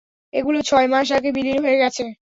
এগুলো ছয় মাস আগে বিলীন হয়ে গেছে!